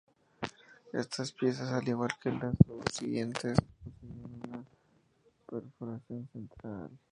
Estas piezas, al igual que las subsiguientes, poseían una perforación central.